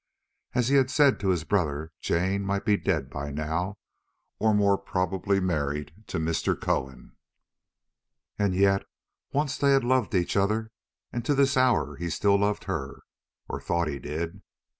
As he had said to his brother, Jane might be dead by now, or more probably married to Mr. Cohen. And yet once they had loved each other, and to this hour he still loved her, or thought that he did.